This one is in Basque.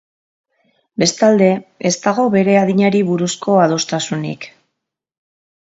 Bestalde, ez dago bere adinari buruzko adostasunik.